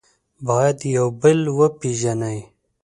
باید یو بل وپېژنئ.